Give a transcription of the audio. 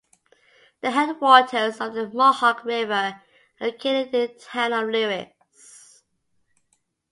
The headwaters of the Mohawk River are located in the town of Lewis.